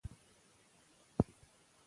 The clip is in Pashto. او بیا دې په خبرو او ویناوو باور نه کاندي،